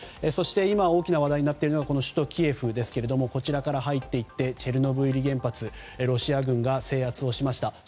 そして今大きな話題になっているのが首都キエフですが北から入っていってチェルノブイリ原発ロシア軍が制圧をしました。